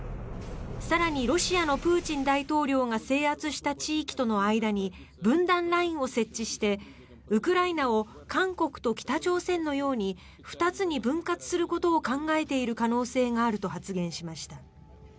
更にロシアのプーチン大統領が制圧した地域との間に分断ラインを設置してウクライナを韓国と北朝鮮のように２つに分割することを考えている可能性があると発言しました。